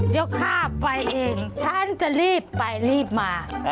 เดี๋ยวข้าไปเองฉันจะรีบไปรีบมา